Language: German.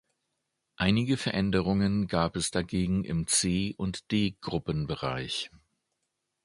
Einige Veränderungen gab es dagegen im C- und D-Gruppenbereich.